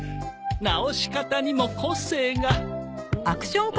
直し方にも個性が。